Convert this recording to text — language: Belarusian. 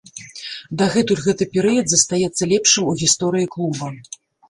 Дагэтуль гэты перыяд застаецца лепшым у гісторыі клуба.